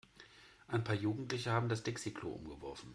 Ein paar Jugendliche haben das Dixi-Klo umgeworfen.